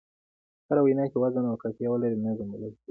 هره وينا چي وزن او قافیه ولري؛ نظم بلل کېږي.